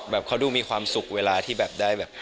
เขาดูมีความสุขเวลาที่แบบได้แบบ